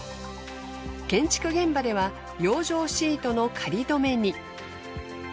建築現場では養生シートの仮止めに。